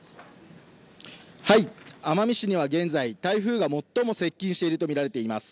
はい、奄美市には現在、台風が最も接近していると見られています。